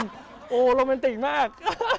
โหโรแมนติกมาก